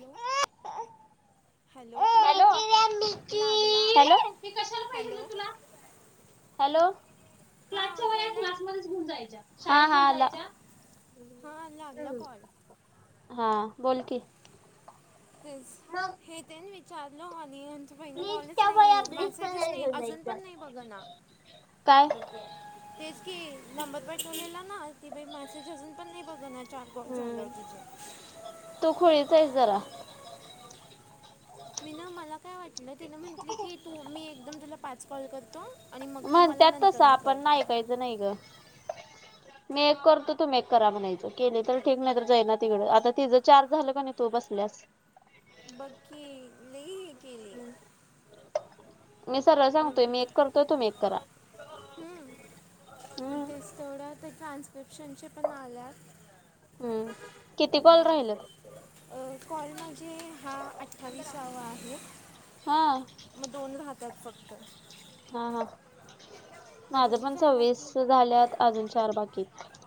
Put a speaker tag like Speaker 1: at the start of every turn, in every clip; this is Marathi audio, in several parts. Speaker 1: लो हॅलो लागला
Speaker 2: [unintelligible] हॅलो ते कशाला पाहिजे
Speaker 1: हॅलो
Speaker 2: रे तुला हॅलो
Speaker 1: हां
Speaker 2: क्लासच्या
Speaker 1: आवाज
Speaker 2: वह्या
Speaker 1: यायलाय
Speaker 2: क्लासमध्येच घेऊन जायच्या शाळेत घेऊन जायच्या
Speaker 1: हा लागला कॉल
Speaker 2: हा बोल की
Speaker 1: तेच
Speaker 2: मग
Speaker 1: हे ते विचारलं होनियन त पहिलं कॉलच
Speaker 2: ब्लीचच्या
Speaker 1: नाही
Speaker 2: वया ब्लीच
Speaker 1: मेसेजच
Speaker 2: पावडर
Speaker 1: नाही
Speaker 2: घेऊन
Speaker 1: अजून पण
Speaker 2: जायचं
Speaker 1: नाही बघ ना
Speaker 2: काय
Speaker 1: तेच की नंबर पठवलेला ना ती बाई मेसेज अजून पण नाही बघा ना चार कॉल
Speaker 2: हम्म
Speaker 1: झालंवर तिचे
Speaker 2: तू खुळीच आहेस जरा
Speaker 1: मीना मला काय वाटलं तिनं म्हटलं की तू मी एकदम तुला पाच कॉल करतो आणि मग तू मला
Speaker 2: म्हणत्यात
Speaker 1: नंतर
Speaker 2: तसं
Speaker 1: न कर
Speaker 2: [unintelligible] नाही ग
Speaker 1: [inaudible]
Speaker 2: मी एक करतो तू मी एक करा म्हनायच केल तर ठीक नाही तर जाई ना तिकडं आता तिझं चार झालं किनाय तू बसल्यास
Speaker 1: बघ की लई केली
Speaker 2: मी सरळ
Speaker 1: मग
Speaker 2: सांगतोय मी एक करतोय तुम्ही एक करा
Speaker 1: हम आणि
Speaker 2: हम्म
Speaker 1: तेच तेवढं तर ट्रान्स्क्रिप्शनचे पण आल्यात
Speaker 2: हम्म किती कॉल राहिलेत
Speaker 1: अ कॉल माझे हा अठ्ठावीसावा आहे
Speaker 2: हां
Speaker 1: मग दोन राहतात फक्त
Speaker 2: हा हा
Speaker 1: हा
Speaker 2: माझ
Speaker 1: तुझं
Speaker 2: पण
Speaker 1: झाला की
Speaker 2: सव्वीस झाल्यात अजून चार बाकी हाईत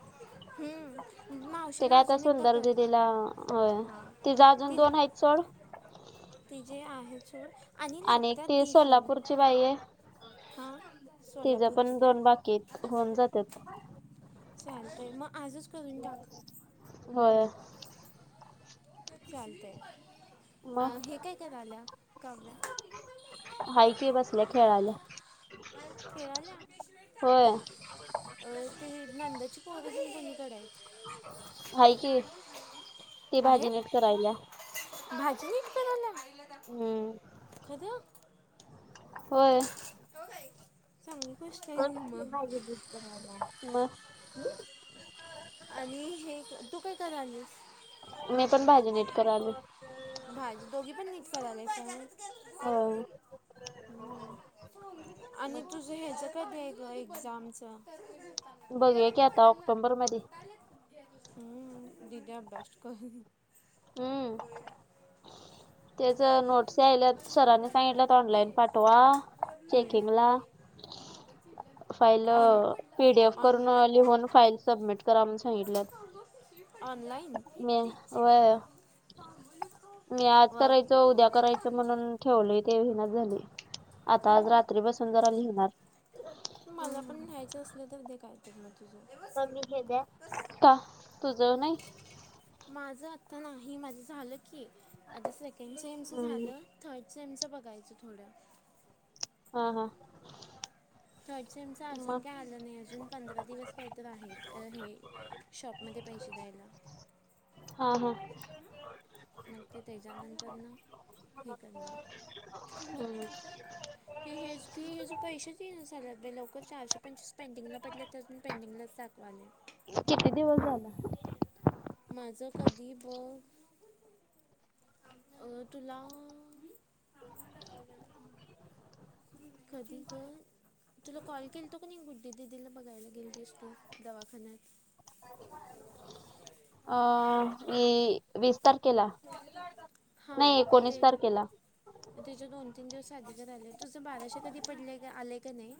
Speaker 1: हम्म मावशीला
Speaker 2: काय आता
Speaker 1: अजून एक [unintelligible]
Speaker 2: सुंदर दिदीला होय
Speaker 1: हा
Speaker 2: तिचं अजून
Speaker 1: ति
Speaker 2: दोन आहेत सोड
Speaker 1: ती जे आहेच आणि
Speaker 2: आणि एक
Speaker 1: लागतात
Speaker 2: ती
Speaker 1: दि फोन
Speaker 2: सोलापूरची
Speaker 1: आ
Speaker 2: तिजपण दोन बाकी हाईत होऊन जातात
Speaker 1: चालतंय मग आजच करून टाका
Speaker 2: होय
Speaker 1: [inaudible] चालतय अ
Speaker 2: मग
Speaker 1: हे काय करायल्या काव्या
Speaker 2: हाय की बसल्या खेळाल्या
Speaker 1: [unintelligible] खेळाल्या पिशवित टाक
Speaker 2: होय
Speaker 1: ते अ ति नंदची पोरगी मम्मीकड हाय
Speaker 2: हाय कि ती भाजी
Speaker 1: आहेत
Speaker 2: निट
Speaker 1: भाजी निट कराल्या खरं.
Speaker 2: व्हयं.
Speaker 1: चोर हायत. चांगली क
Speaker 2: [inaudible]
Speaker 1: आणि हे तू काय करालीस.
Speaker 2: मी पण भाजी नीट करालोय.
Speaker 1: भाजी दोघी पण निट करायल्यास होय.
Speaker 2: होय
Speaker 1: हम. आणि तुझं हेच कधी ये गं. जा आमचं.
Speaker 2: बघूया की आता ऑक्टोबर मध्ये
Speaker 1: हम... दीदी अभ्यास करू
Speaker 2: हम्म तेच नोट्स
Speaker 1: होया.
Speaker 2: यायल्यात सरांनी सांगितल्यात ऑनलाईन पाठवा
Speaker 1: हम्म. [unintelligible] ऑन
Speaker 2: पहिलं पीडीएफ करून, लिहून फाईल सबमिट. करा म्हणून सांगितल्यात
Speaker 1: ऑनलाइन. [inaudible]
Speaker 2: मी व्हय ठेवले ते विहिनाच झालंय, आता आज
Speaker 1: हम्म
Speaker 2: रात्री बसून जरा लिहिणार.
Speaker 1: मला पण न्यायचं असलं तर दे काय. [unintelligible] तुझं.
Speaker 2: का तुझं नाही.
Speaker 1: माझं आता नाही, माझं झालं की. आता सेकंड सेमच
Speaker 2: हम्म
Speaker 1: झालं, थर्ड सेमच बघायचं थोडं.
Speaker 2: हा हा.
Speaker 1: चर्चमच अजून
Speaker 2: मग
Speaker 1: काय आलं नाही, अजून पंधरा दिवस काय तर आहेत हे. शॉपमध्ये पैसे द्यायला.
Speaker 2: हा हा.
Speaker 1: मग ते तेच्यानंतरन. ठीक आहे ना, हे हेच की हेज पैसेचं. तीन सारल बाई लवकर. चारशे पंचवीस पेंटिंगला पडले ते पेंटिंगलाच‌ दाखवाले.
Speaker 2: किती दिवस झालं.
Speaker 1: माझं कधी बघं. अ.. तुला. कधी गं. तुला कॉल केलतो कणी, गुड्डी दिदीला बघायला गेलतीस तु दवाखान्यात.
Speaker 2: अ... मी. वीस तारखेला, नाही एकोणीस तारखेला.
Speaker 1: तुचे दोन तीन दिवस आधी का राहिले, तुझं बाराशे कधी पडले गं आले का नाही.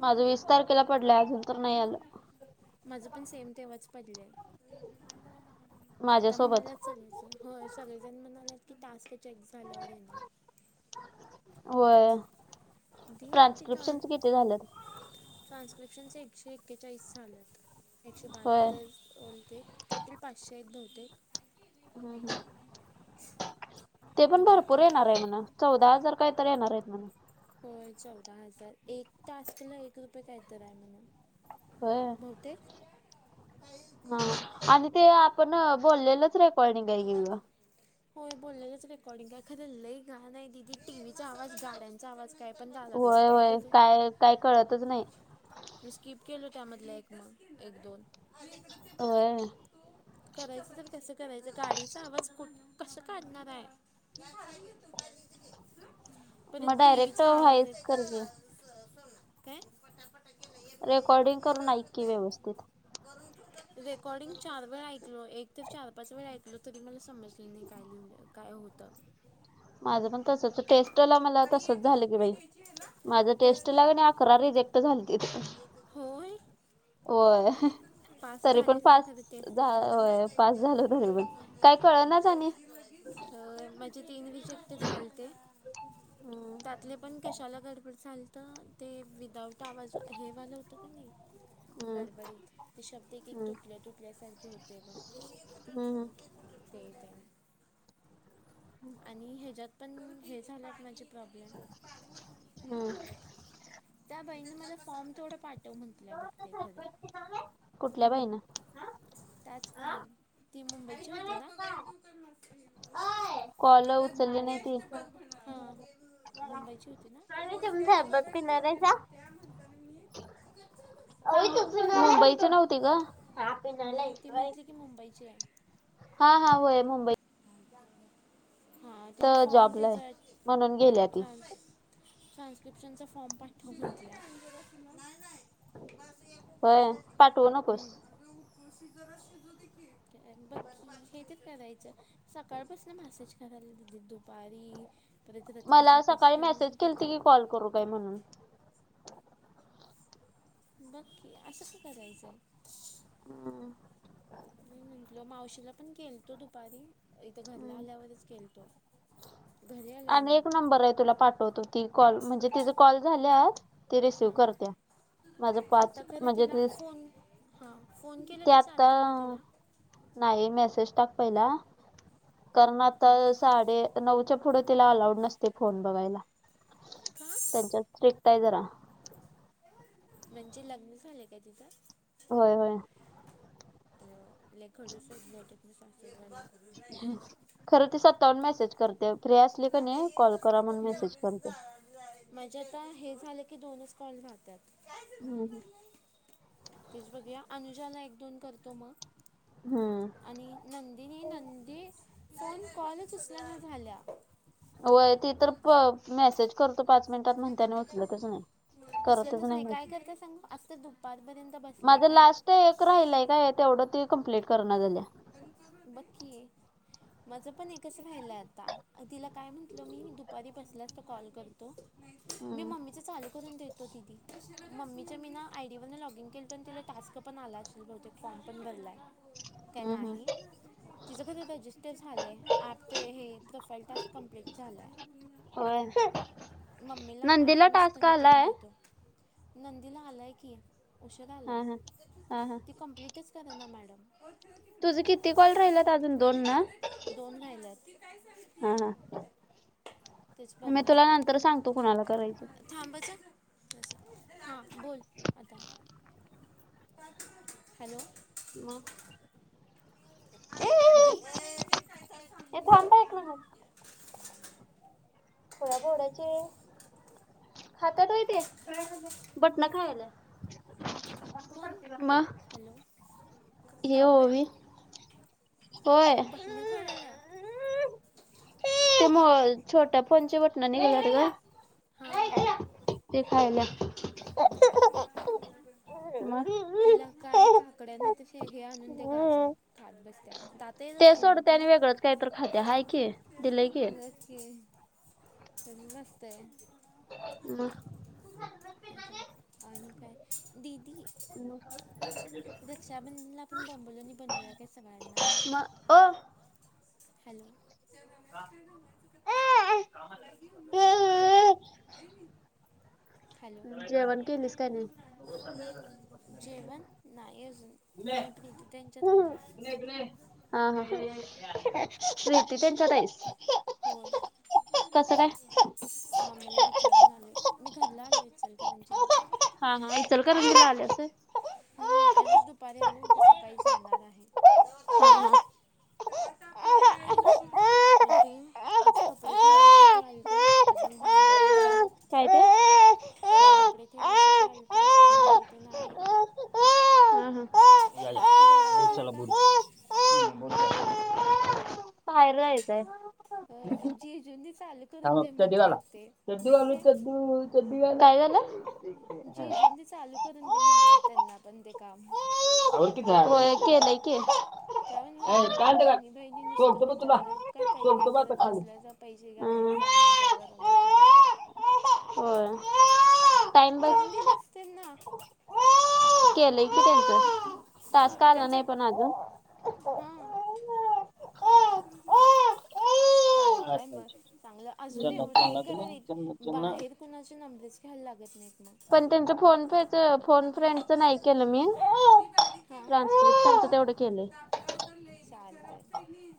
Speaker 2: माझं वीस तारखेला पडलंय, अजून तर नाही आलं.
Speaker 1: माझं पण सेम तेव्हाच पडलंय. [unintelligible] आता
Speaker 2: माझ्यासोबत
Speaker 1: म्हणालात सगळेजण होय, सगळेजण म्हणालेत की टास्क चेक झाल्या वर येणार.
Speaker 2: होय ट्रान्स्क्रिप्शनच किती झाल्यात.
Speaker 1: ट्रान्स्क्रिप्शन्सच एकशे एक्केचाळीस झाल्यात. एकशे
Speaker 2: होय
Speaker 1: बहात्तर बोलते, टोटल पाचशे येत बहुतेक.
Speaker 2: हम्म ते
Speaker 1: मग
Speaker 2: पण भरपूर
Speaker 1: त्यातलं
Speaker 2: येणार आहे म्हण चौदा हजार काय तर येणार आहेत म्हण
Speaker 1: होय चौदा हजार एक टास्क ला एक रुपये काय तर आहे म्हण
Speaker 2: होय
Speaker 1: तेच
Speaker 2: हा आणि ते आपण बोललेलंच रेकॉर्डिंग आहे कि गं
Speaker 1: होय बोलेलच रिकॉर्डिंग खर लई घाण आहे दिदी टीव्ही चा आवाज गाड्यांचा चा आवाज कायपण [inaudible]
Speaker 2: होय
Speaker 1: काय
Speaker 2: होय
Speaker 1: करू
Speaker 2: काय काय कळतच नाय
Speaker 1: मी स्किप केलो त्यामधलं एक मग एक दोन.
Speaker 2: होय.
Speaker 1: करायचं तर कस करायचं गाडीचा आवाज कुठ कस काढणार हाय. [inaudible]
Speaker 2: मग डायरेक्ट व्हायच कर की
Speaker 1: काय
Speaker 2: रेकॉर्डिंग करून ऐक की व्यवस्थित.
Speaker 1: रेकॉर्डिंग चार वेळ ऐकलो एक ते चार पाच वेळ ऐकलो तरी मला समजले नाही काय लिव्हल काय होतं
Speaker 2: माझं पण तसच टेस्टला मला तसच झालं की बाई माझ
Speaker 1: तेच
Speaker 2: टेस्ट ला कणी अकरा रिजेक्ट झालतीत
Speaker 1: होय
Speaker 2: होय
Speaker 1: पास
Speaker 2: तरी पण
Speaker 1: झालेच ना
Speaker 2: पास
Speaker 1: खर ते
Speaker 2: झा होय पास झालो तरी पण काय कळनाच आणि
Speaker 1: माझे ते इंग्लिश ते चाल
Speaker 2: हम्म
Speaker 1: त्यातले पण कशाला गडबड झाल त ते विदाउट आवाज हेवालं होतं कणी
Speaker 2: हम्म
Speaker 1: गडबडीत ते शब्द एक एक
Speaker 2: हम्म
Speaker 1: तुटल्या तुटल्यासारखे होते बघा
Speaker 2: हम्म
Speaker 1: ते ते आणि ह्याच्यात पण हे झालंत माझे प्रॉब्लेम
Speaker 2: हम्म
Speaker 1: त्यातच त्या बाईने मला फॉर्म थोडं पाठ म्हंतल्या बघते खरं
Speaker 2: हम्म कुठल्या बाईनं
Speaker 1: त्याच की ती मुंबईची होती काय
Speaker 2: कॉल उचलली नाही ती
Speaker 1: हा मुंबईची होती ना.
Speaker 2: आणि तुम्ही सरबत पिणार हायसा?
Speaker 1: [inaudible]
Speaker 2: मुंबईच नव्हती ग
Speaker 1: मग म्हटली ती मुंबईची आहे.
Speaker 2: हा हा होय मुंबई
Speaker 1: तिनं फॉर्म [inaudible]
Speaker 2: जॉबला आहे म्हणून गेल्या ती
Speaker 1: ट्रान्स्क्रिप्शनचा फॉर्म पाठव म्हटल्या
Speaker 2: होय पाठवू नकोस
Speaker 1: हम्म बघ की हे ते तर करायचं सकाळपासून मॅसेज करायला दिदी दुपारी परत रात्री
Speaker 2: मला
Speaker 1: झोप्याच
Speaker 2: सकाळी
Speaker 1: टाइमला
Speaker 2: मेसेज
Speaker 1: पण करत्या
Speaker 2: केलती की कॉल करू काय म्हणून
Speaker 1: बघकी असं का करायचंय
Speaker 2: हम्म
Speaker 1: मी म्हट मावशीला पण केलतो दुपारी इथं घरला
Speaker 2: हम्म.
Speaker 1: आल्यावरच केलतो घरी आल्यावर
Speaker 2: आणि
Speaker 1: नाही.
Speaker 2: एक नंबर आहे तुला पाठवतो ती कॉल म्हणजे तीच कॉल झाल्यात, ती रिसीव
Speaker 1: हां
Speaker 2: करत्या. माझ पाच
Speaker 1: आता खरं
Speaker 2: म्हणजे,
Speaker 1: तिला
Speaker 2: तेच
Speaker 1: फोन हां फोन केला तर
Speaker 2: त्यात
Speaker 1: चालतंय ना
Speaker 2: अ....
Speaker 1: तिला?
Speaker 2: नाही मेसेज टाक पहिला. कारण आता
Speaker 1: हां
Speaker 2: साडे नऊच्या पुढे तिला अलाउड नसते फोन बघायला.
Speaker 1: का
Speaker 2: त्यांच्यात स्ट्रिक्ट आहे जरा.
Speaker 1: म्हणजे लग्न झालंय काय तिचं.
Speaker 2: होय होय.
Speaker 1: लय खडूस आहेत, बहुतेक सासू‌ तेनी.
Speaker 2: खरं ती स्वतःहून मेसेज करत्या, फ्री असली कणी कॉल करा म्हणून मेसेज करत्या.
Speaker 1: माझे आता हे झालं की, दोनच कॉल राहत्यात.
Speaker 2: हम हम.
Speaker 1: तेच बघूया, अनुजाला एक दोन करतो मग.
Speaker 2: हम्म.
Speaker 1: आणि नंदीनी नंदी फोन कॉलच उचलणं झाल्या.
Speaker 2: होय. ती तर मेसेज करतो, पाच मिनिटात म्हणत्या आणि उचलतच नाही. करतच
Speaker 1: उचलतच नाही काय
Speaker 2: मेसेज.
Speaker 1: करता सांगू, आज तर दुपारपर्यंत बसल्या काय.
Speaker 2: ते एक राहिलंय काय, तेवढं ती कंप्लीट करण झाल्या.
Speaker 1: बघ की, माझं पण एकच राहिलं आता, तिला काय म्हटलं मी दुपारी बसल्यास की कॉल करतो. मी
Speaker 2: हम्म
Speaker 1: मम्मीच चालू करून देतो दिदी. मम्मीच्या मी न आयडीवरन लॉगिन केलतो. आणि तिला टास्क पण आला असेल, बहुतेक फॉर्म पण भरलाय. त्या
Speaker 2: हम्म हम्म
Speaker 1: नाही. तिचं कधी रजिस्टर झालंय, आप ते हे प्रोफाईल टास्क कप्लीट झालायं.
Speaker 2: होय.
Speaker 1: मम्मीला
Speaker 2: नंदीला
Speaker 1: ऍप नुसतं
Speaker 2: टास्क
Speaker 1: हे करून
Speaker 2: आलाय
Speaker 1: देतो. नंदीला आलाय की, उशीर आलाय,
Speaker 2: हा हा. हा हा
Speaker 1: ती कंप्लीटच कर ना मॅडम.
Speaker 2: तुझं किती कॉल राहिल्यात अजून दोन ना
Speaker 1: दोन राहिल्यात.
Speaker 2: हा हा.
Speaker 1: तेच बघणार.
Speaker 2: तो कोणाला करायच.
Speaker 1: थांबच असं, हां बोल आता. हॅलो.
Speaker 2: मग, ए थांब बाळ एक मिनिट
Speaker 1: [unintelligible]
Speaker 2: खुळ्याबोड्याचे. खात्यात व्हय ते, बटण खायाल्या.
Speaker 1: कोण हॅलो
Speaker 2: हे
Speaker 1: काव्या.
Speaker 2: ओवी होय.
Speaker 1: बटन खायाल्या.
Speaker 2: त्या छोट्या फोनची बटन निघल्यात गं.
Speaker 1: हा.
Speaker 2: ते खायाल्या.
Speaker 1: [unintelligible]
Speaker 2: मग
Speaker 1: तिला काय काकड्या नाही तर, हे आणून दे गाजत खात बसत्या. दात येत
Speaker 2: ते
Speaker 1: असतील नव्हं
Speaker 2: सोडते आणि
Speaker 1: तिला,
Speaker 2: वेगळंच काहीतर खात्या हाय की दिलंय की
Speaker 1: व्हयं की. [unintelligible]
Speaker 2: म.
Speaker 1: ते ते आणि काय दिदी
Speaker 2: [unintelligible]
Speaker 1: रक्षाबंधनला आपण बोंबलनी बनवूया काय सगळ्यांना.
Speaker 2: म अ
Speaker 1: हॅलो. हॅलो.
Speaker 2: जेवण केलीस का नाही?
Speaker 1: जेवण नाही अजून मी प्रीती त्यांच्यात आलं.
Speaker 2: हा हा प्रीती त्यांच्या ताईस.
Speaker 1: होय मग मम्मीला विचारून आलोय
Speaker 2: काय?
Speaker 1: मी घरला आलोय इचलकरंजीला.
Speaker 2: हा हा इचलकरंजीला आल्यास?
Speaker 1: हम्म आजच दुपारी आले होते सकाळी जाणार आहे.
Speaker 2: हा हा.
Speaker 1: [unintelligible] आज कपडे ठेवायसाठी आलतो अजून भांडीतेन आहे.
Speaker 2: काय काय
Speaker 1: आज कपडे ठेवाय साठी आलतं भांडी तेन आहे.
Speaker 2: यायला
Speaker 1: ती रडायला
Speaker 2: बोल
Speaker 1: लागलं
Speaker 2: चला
Speaker 1: का?
Speaker 2: बोल पायऱ्या येताय
Speaker 1: जीजूंनी चालू करून
Speaker 2: थांबा
Speaker 1: दे
Speaker 2: चड्डी घाला
Speaker 1: म्हटल्यात ते
Speaker 2: चड्डू घालू
Speaker 1: माहितीये
Speaker 2: चड्डू. काय झालं?
Speaker 1: जिजवंती चालू करून दे म्हटलं त्यांना पण ते काम.
Speaker 2: आवर होय केलं की.
Speaker 1: काय म्हणलं दोन्ही
Speaker 2: काय का
Speaker 1: बहिणी बहिणी नुसतं
Speaker 2: सोडतो बघ
Speaker 1: मजा
Speaker 2: तुला
Speaker 1: वगैरे काय पाहि हे
Speaker 2: सोडतो बघ आता
Speaker 1: करत
Speaker 2: खाली
Speaker 1: बसल्या जा पैशे
Speaker 2: हम्म.
Speaker 1: घालयाचे आहे मज्जा करायला समान आहे.
Speaker 2: होय टाइम बघ.
Speaker 1: दिलस त्यांना
Speaker 2: केलोय की त्यांचं टास्क आला नाही पण अजून.
Speaker 1: हा चालतय
Speaker 2: अच्छा अच्छा
Speaker 1: मग.
Speaker 2: अच्छा
Speaker 1: चांगलं अजून
Speaker 2: चन्ना
Speaker 1: एवढे हे
Speaker 2: चन्ना तुम्ही चन्ना
Speaker 1: करवेत
Speaker 2: चन्ना
Speaker 1: बाहेर कुणाचे नंबरेच घ्यायला लागत नाहीत म.
Speaker 2: त्यांचा फोन फे ते फोन फ्रेंडच केलं मी
Speaker 1: मी बारीक
Speaker 2: ट्रान्सक्रिप्शनच तेवढं केलेय.
Speaker 1: चालतंय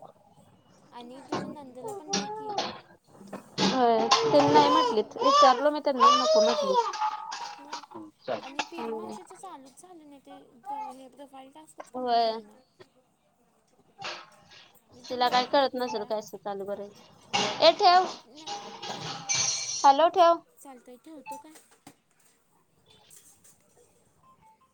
Speaker 1: आणि तुझ्या नंदेला पण दे की.
Speaker 2: होय त्यांना नाही म्हटलीत विचारलं मी त्यांना नको म्हटली.
Speaker 1: होय. आणि पीरी
Speaker 2: हम्म
Speaker 1: मावशीचं चालूच झालं नाही ते प्र हे प्रोफाईल टास्कच कम्प्लीट
Speaker 2: होय
Speaker 1: होई ना. मी पण
Speaker 2: तिला काय
Speaker 1: बघितलं
Speaker 2: कळत
Speaker 1: किती
Speaker 2: नसेल
Speaker 1: वेळा
Speaker 2: कसं चालू करायच ए
Speaker 1: हो
Speaker 2: ठेव.
Speaker 1: नाही
Speaker 2: हॅलो ठेव.
Speaker 1: चालतोय ठेवतो का?